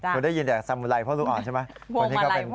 คุณได้ยินแต่สมุไรพ่อลูกอ่อนใช่ไหม